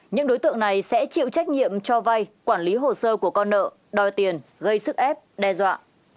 những đối tượng này sẽ chịu trách nhiệm cho vay quản lý hồ sơ của con nợ đòi tiền gây sức ép đe dọa